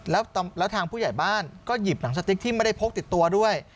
แล้วทางผู้ใหญ่บ้านก็หยิบหนังสติ๊กที่ไม่ได้พกติดตัวด้วย